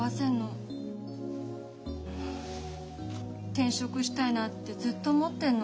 転職したいなってずっと思ってんの。